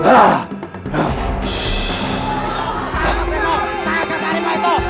tangkap harimau itu